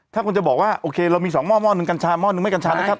ถ้าคุณจะบอกว่าโอเคเรามี๒หม้อหนึ่งกัญชาหม้อหนึ่งไม่กัญชานะครับ